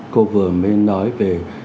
cô vừa mới nói về